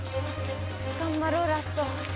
頑張ろうラスト。